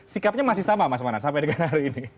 sikapnya masih sama mas manan sampai dengan hari ini